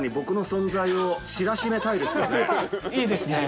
いいですね。